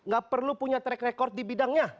gak perlu punya track record di bidangnya